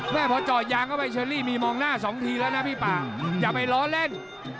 แม่พอจอดยางเข้าไปเชอรี่มีมองหน้าสองทีแล้วนะพี่ป่าอย่าไปล้อเล่น